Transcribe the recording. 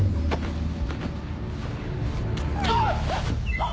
あっ‼